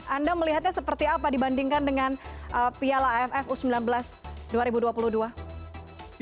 anda melihatnya seperti apa dibandingkan dengan piala aff u sembilan belas dua ribu dua puluh dua